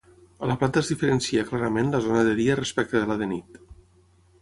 A la planta es diferencia clarament la zona de dia respecte de la de nit.